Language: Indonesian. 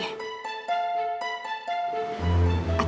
ya udah punya pacar